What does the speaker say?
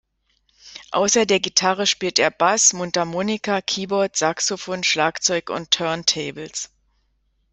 Außer der Gitarre spielt er Bass, Mundharmonika, Keyboard, Saxophon, Schlagzeug und Turntables.